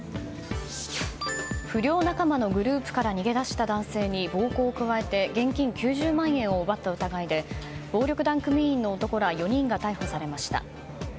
不良仲間のグループから逃げ出した男性に暴行を加えて現金９０万円を奪った疑いで暴力団組員の男ら４人が逮捕されました。